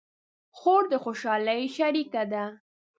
خور د خوشحالۍ شریکه ده.